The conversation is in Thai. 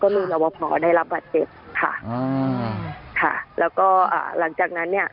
ก็มีระบบหมอได้รับบัตรเจ็บค่ะค่ะแล้วก็หลังจากนั้นเนี่ย